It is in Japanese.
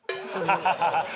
ハハハハ！